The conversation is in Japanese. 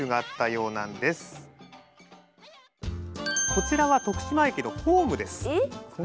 こちらは徳島駅のホームです。